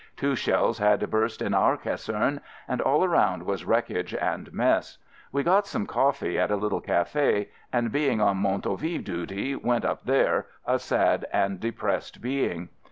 Two shells had burst in our caserne and all around was wreckage and mess. I got some coffee at a little cafe, and being on Montauville duty went up there, a sad and depressed being.